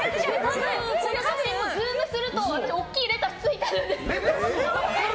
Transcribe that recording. ズームすると私、大きいレタスついてるんです。